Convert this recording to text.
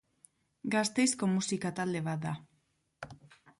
Gasteizko musika talde bat da.